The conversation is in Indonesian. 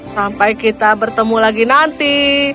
sampai kita bertemu lagi nanti